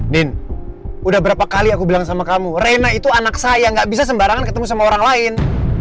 nin udah berapa kali aku bilang sama kamu reina itu anak saya gak bisa sembarangan ketemu sama orang lain